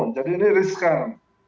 jadi ini riskan